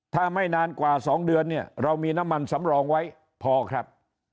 ถ้าไม่นานกว่า๒เดือนเนี่ยเรามีน้ำมันสำรองไว้พอครับ